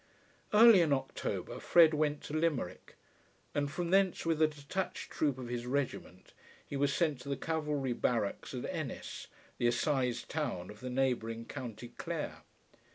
Early in October Fred went to Limerick, and from thence with a detached troop of his regiment he was sent to the cavalry barracks at Ennis, the assize town of the neighbouring County Clare.